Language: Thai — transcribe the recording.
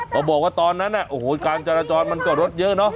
บอกว่าตอนนั้นโอ้โหการจราจรมันก็รถเยอะเนอะ